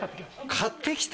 買って来た？